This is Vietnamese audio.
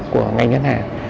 của ngành ngân hàng